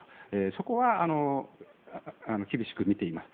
そこは厳しく見ています。